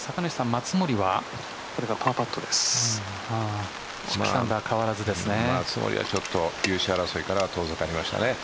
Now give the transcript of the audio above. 松森は優勝争いから遠ざかりましたね。